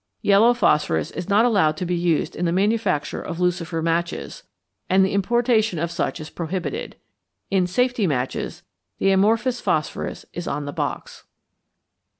Yellow phosphorus is not allowed to be used in the manufacture of lucifer matches, and the importation of such is prohibited. In 'safety' matches the amorphous phosphorus is on the box.